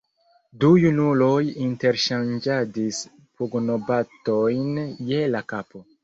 Du junuloj interŝanĝadis pugnobatojn je la kapo.